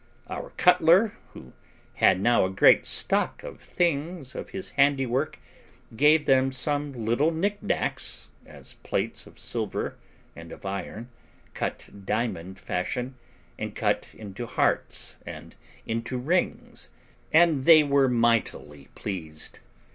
Our cutler, who had now a great stock of things of his handiwork, gave them some little knick knacks, as plates of silver and of iron, cut diamond fashion, and cut into hearts and into rings, and they were mightily pleased.